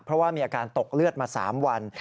เพราะว่ามีอาการตกเลือดมา๓วัน